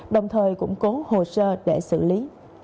đồng thời cũng cố hồ sơ để xử lý